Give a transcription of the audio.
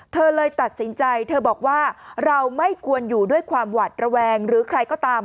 เธอเลยตัดสินใจเธอบอกว่าเราไม่ควรอยู่ด้วยความหวัดระแวงหรือใครก็ตาม